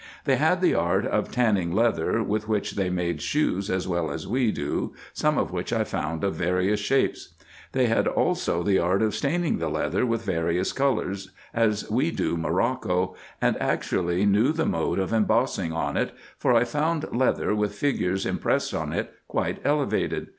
They had the art of tanning leather, with which they made shoes as well as we do, some of which I found of various shapes. They had also the art of staining the leather with various colours, as we do Mo rocco, and actually knew the mode of embossing on it, for I found leather with figures impressed on it, quite elevated.